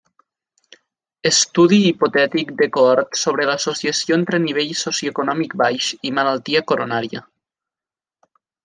Estudi hipotètic de cohort sobre l'associació entre nivell socioeconòmic baix i malaltia coronària.